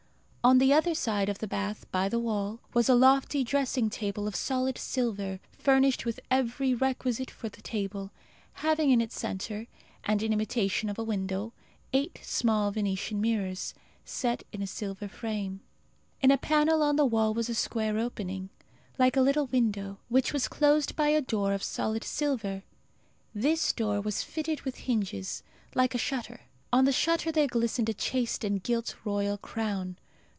On the other side of the bath, by the wall, was a lofty dressing table of solid silver, furnished with every requisite for the table, having in its centre, and in imitation of a window, eight small Venetian mirrors, set in a silver frame. In a panel on the wall was a square opening, like a little window, which was closed by a door of solid silver. This door was fitted with hinges, like a shutter. On the shutter there glistened a chased and gilt royal crown.